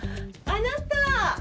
あなた！